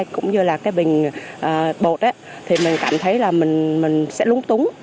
cũng như là cái bình bột thì mình cảm thấy là mình sẽ lúng túng